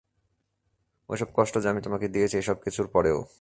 ঐ সব কষ্ট যা আমি তোমাকে দিয়েছি, এসব কিছুর পরেও।